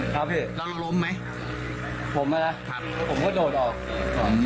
ครับพี่แล้วเราล้มไหมผมแหละครับผมก็โดดออกอืม